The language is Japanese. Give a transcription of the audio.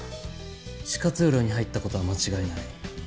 地下通路に入った事は間違いない。